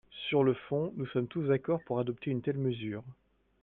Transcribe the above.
Sur le fond, nous sommes tous d’accord pour adopter une telle mesure.